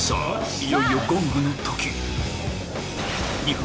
いよいよゴングの時・いいよ！